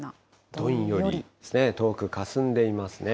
どんより、遠くかすんでいますね。